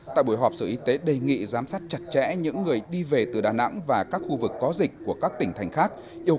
tại buổi họp sở y tế đề nghị giám sát chặt chẽ những người đi về từ đà nẵng và các khu vực có dịch của các tỉnh thành khác